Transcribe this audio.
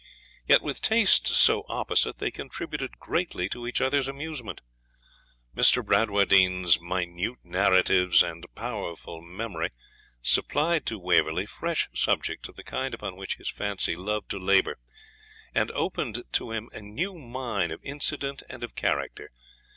Yet with tastes so opposite, they contributed greatly to each other's amusement. Mr. Bradwardine's minute narratives and powerful memory supplied to Waverley fresh subjects of the kind upon which his fancy loved to labour, and opened to him a new mine of incident and of character.